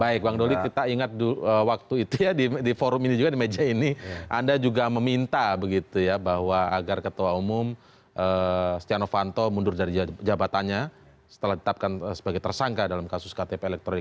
baik bang doli kita ingat waktu itu ya di forum ini juga di meja ini anda juga meminta begitu ya bahwa agar ketua umum setia novanto mundur dari jabatannya setelah ditetapkan sebagai tersangka dalam kasus ktp elektronik